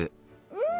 うん。